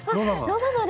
ロバまで。